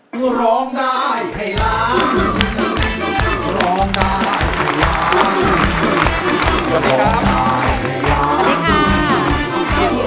สวัสดีครับ